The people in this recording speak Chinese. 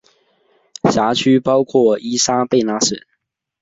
辖区包括伊莎贝拉省。